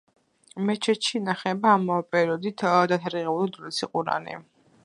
მეჩეთში ინახება ამავე პერიოდით დათარიღებული უძველესი ყურანი.